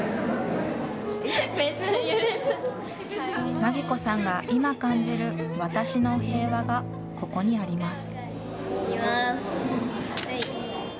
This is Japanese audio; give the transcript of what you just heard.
梛子さんが今、感じる私のへいわがここにあります。